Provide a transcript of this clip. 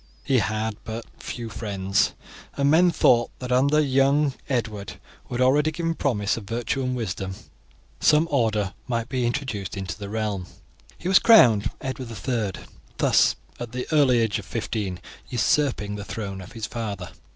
He had but few friends, and men thought that under the young Edward, who had already given promise of virtue and wisdom, some order might be introduced into the realm. He was crowned Edward III, thus, at the early age of fifteen, usurping the throne of his father.